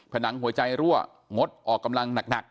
ผนังหัวใจรั่วงดออกกำลังหนัก